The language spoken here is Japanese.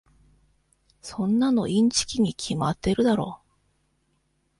そんなのインチキに決まってるだろ。